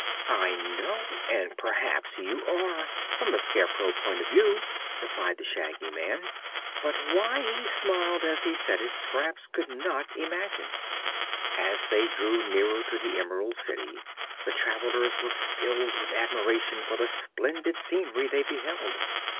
"I know; and perhaps you are from a scarecrow point of view," replied the Shaggy Man; but why he smiled as he said it Scraps could not imagine. As they drew nearer to the Emerald City the travelers were filled with admiration for the splendid scenery they beheld.